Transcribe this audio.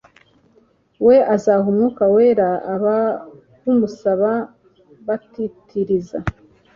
we azaha umwuka wera abawumusaba batitiriza